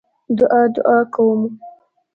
دعا دعا كومه